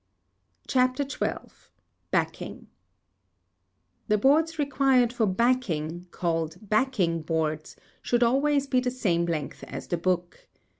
CHAPTER XII. BACKING. The boards required for backing, called backing boards, should always be the same length as the book.